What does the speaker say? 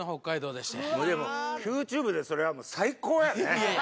でも「ＱＴｕｂｅ」でそれは最高やろうね。